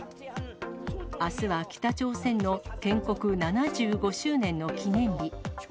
あすは北朝鮮の建国７５周年の記念日。